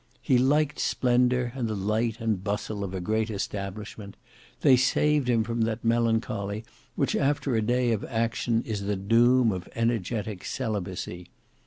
He liked splendour and the light and bustle of a great establishment. They saved him from that melancholy which after a day of action is the doom of energetic celibacy.